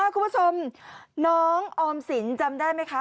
คุณผู้ชมน้องออมสินจำได้ไหมคะ